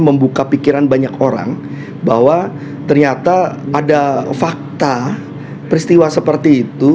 membuka pikiran banyak orang bahwa ternyata ada fakta peristiwa seperti itu